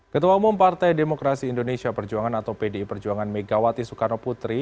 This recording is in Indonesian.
ketua umum partai demokrasi indonesia perjuangan atau pdi perjuangan megawati soekarno putri